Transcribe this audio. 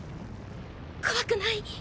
怖くない。